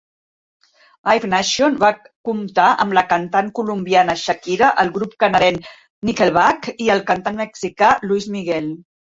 Live Nation va comptar amb la cantant colombiana Shakira, el grup canadenc Nickelback i el cantant mexicà Luis Miguel.